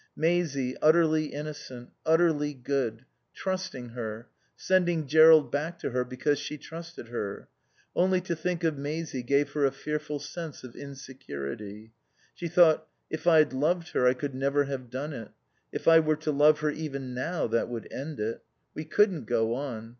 Maisie, utterly innocent, utterly good, trusting her, sending Jerrold back to her because she trusted her. Only to think of Maisie gave her a fearful sense of insecurity. She thought: If I'd loved her I could never have done it. If I were to love her even now that would end it. We couldn't go on.